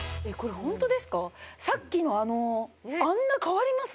さっきのあんな変わります？